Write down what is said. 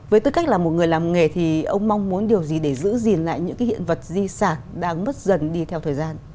với tư cách là một người làm nghề thì ông mong muốn điều gì để giữ gìn lại những cái hiện vật di sản đang mất dần đi theo thời gian